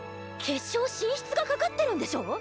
決勝進出がかかってるんでしょ？